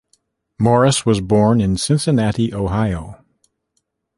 Morris was born in Cincinnati, Ohio.